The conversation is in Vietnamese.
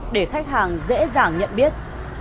để khách hàng dễ dàng nhận biết